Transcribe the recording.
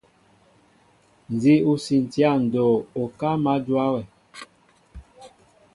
Nzi o siini ya ndoo, okáá ma njóa wɛ.